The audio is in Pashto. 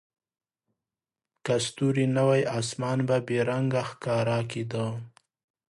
که ستوري نه وای، اسمان به بې رنګه ښکاره کېده.